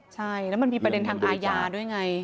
ใช่แล้วมันมีประเด็นทางอาญาด้วยไง